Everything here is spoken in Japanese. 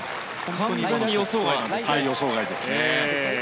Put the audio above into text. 完全に予想外なんですね。